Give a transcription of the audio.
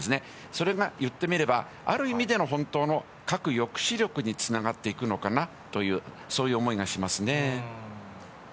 それが言ってみれば、ある意味での本当の核抑止力につながっていくのかなという、そういう思いがしますね。